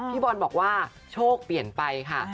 พี่บอลบอกว่าโชคเปลี่ยนไปค่ะ